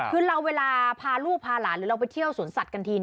คือเราเวลาพาลูกพาหลานหรือเราไปเที่ยวสวนสัตว์กันที